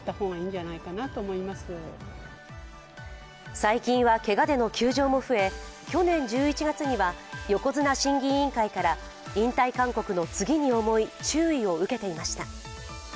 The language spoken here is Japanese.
最近はけがでの休場も増え去年１１月には横綱審議委員会から引退勧告の次に重い「注意」を受けていました。